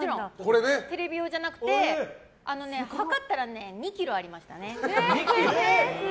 テレビ用じゃなくて量ったら２ｋｇありましたね。